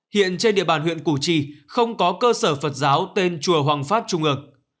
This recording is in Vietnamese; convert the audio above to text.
hiện trên địa bàn huyện củ trì không có cơ sở phật giáo tên chùa hoàng pháp trung ương